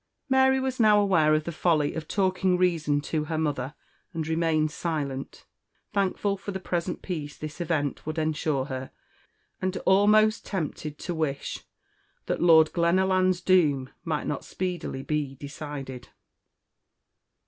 Mary was now aware of the folly of talking reason to her mother, and remained silent; thankful for the present peace this event would ensure her, and almost tempted to wish that Lord Glenallan's doom might not speedily be decided.